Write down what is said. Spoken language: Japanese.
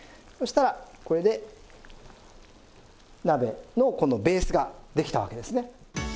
そしたらこれで鍋のこのベースができたわけですね。